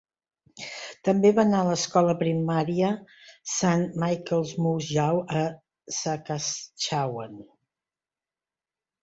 També va anar a l'escola primària Saint Michael's a Moose Jaw a Saskatchewan.